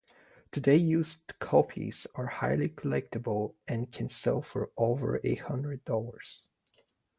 Today used copies are highly collectible, and can sell for over a hundred dollars.